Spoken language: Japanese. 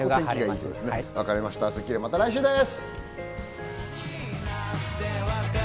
『スッキリ』は、また来週です。